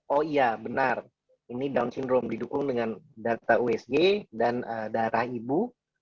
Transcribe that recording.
oh iya benar ini down syndrome didukung dengan data usg dan darah ibu